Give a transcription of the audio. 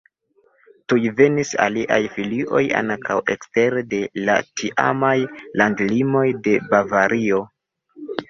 Tuj venis aliaj filioj ankaŭ ekstere de la tiamaj landlimoj de Bavario.